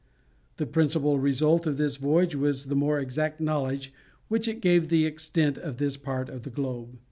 The principal result of this voyage was the more exact knowledge which it gave of the extent of this part of the globe.